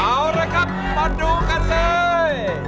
เอาละครับมาดูกันเลย